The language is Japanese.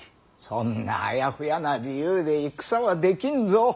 そんなあやふやな理由で戦はできんぞ。